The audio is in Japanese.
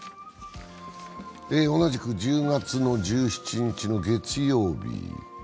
同じく１０月１７日の月曜日。